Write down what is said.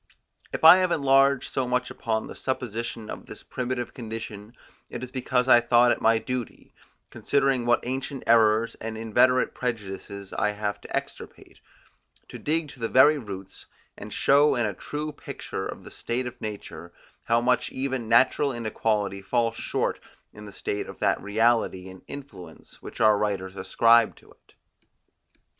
If I have enlarged so much upon the supposition of this primitive condition, it is because I thought it my duty, considering what ancient errors and inveterate prejudices I have to extirpate, to dig to the very roots, and show in a true picture of the state of nature, how much even natural inequality falls short in this state of that reality and influence which our writers ascribe to it.